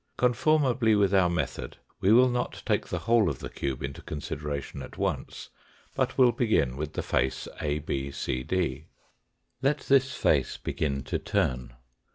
Conformably with our method, we will not take the whole of the cube into consideration at once, but will begin with the face ABCD. Let this face begin to turn.